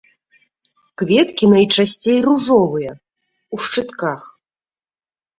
Кветкі найчасцей ружовыя, у шчытках.